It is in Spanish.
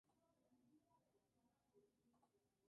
La multa equivale a dos días y medio de producción de petróleo.